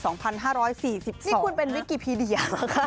นี่คุณเป็นวิกีพีเดียเหรอคะ